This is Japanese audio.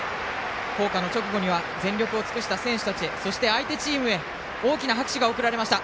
校歌の直後には全力を尽くした選手たちへそして、相手チームへ大きな拍手が送られました。